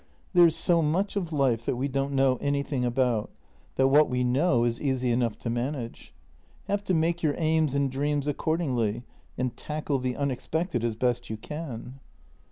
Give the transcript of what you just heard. " There is so much of life that we don't know anything about, that what we know is easy enough to manage. Have to make your aims and dreams accordingly, and tackle the unexpected as best you can."